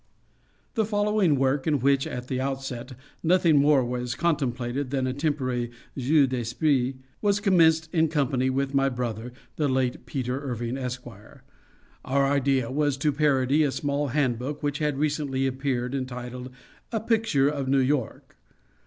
The following work, in which, at the outset, nothing more was contemplated than a temporary jeu d'esprit, was commenced in company with my brother, the late Peter Irving, Esq. Our idea was to parody a small hand book which had recently appeared, entitled, "A Picture of New York."